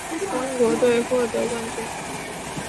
中国队获得冠军。